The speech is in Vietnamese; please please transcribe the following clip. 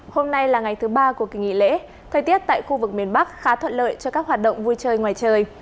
hôm nay là ngày thứ ba của kỳ nghỉ lễ thời tiết tại khu vực miền bắc khá thuận lợi cho các hoạt động vui chơi ngoài trời